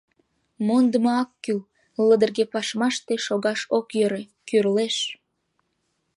— Мондымо ак кӱл: лыдырге пашмаште шогаш ок йӧрӧ — кӱрлеш.